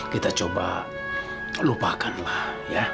kita coba lupakanlah ya